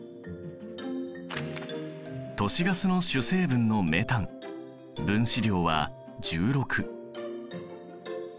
都市ガスの主成分のメタン分子量は１６。